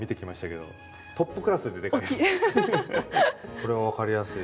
これは分かりやすい。